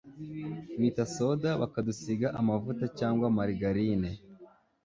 bita soda, bakadusiga amavuta cyangwa marigarine,